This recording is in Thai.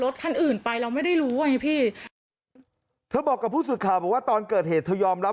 เธอบอกกับผู้สื่อข่าวว่าตอนเกิดเหตุเธอยอมรับ